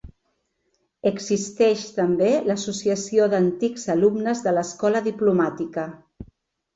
Existeix també l'Associació d'antics alumnes de l'Escola diplomàtica.